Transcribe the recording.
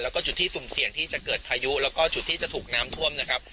แล้วก็จุดที่สุ่มเสี่ยงที่จะเกิดพายุแล้วก็จุดที่จะถูกน้ำท่วมนะครับ